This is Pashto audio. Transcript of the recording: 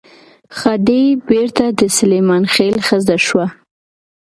خدۍ بېرته د سلیمان خېل ښځه شوه.